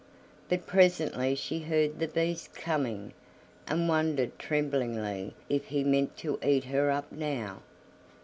But presently she heard the Beast coming, and wondered tremblingly if he meant to eat her up now.